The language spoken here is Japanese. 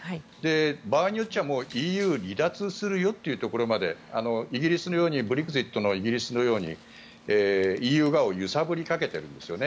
場合によってはＥＵ離脱するよというところまでブレグジットのイギリスのようにＥＵ側に揺さぶりをかけているんですよね。